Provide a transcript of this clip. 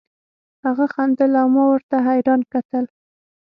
هغه خندل او ما ورته حيران کتل.